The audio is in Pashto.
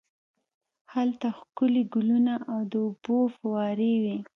هلته ښکلي ګلونه او د اوبو فوارې وې.